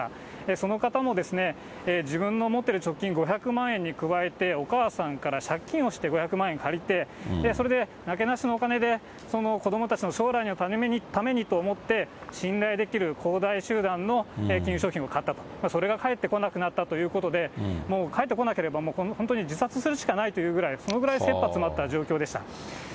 その方も自分の持ってる貯金５００万円に加えて、お母さんから借金をして５００万円借りて、それでなけなしのお金で、その子どもたちの将来のためにと思って、信頼できる恒大集団の金融商品を買ったと、それが返ってこなくなったということで、もう返ってこなければ本当に自殺するしかないというぐらい、そのぐらい切羽詰まった状況でした。